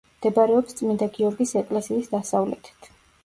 მდებარეობს წმინდა გიორგის ეკლესიის დასავლეთით.